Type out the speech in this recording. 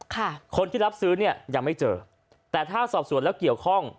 คนที่รับซื้อเนี่ยยังไม่เจอแต่ถ้าสอบสวนแล้วเกี่ยวข้อง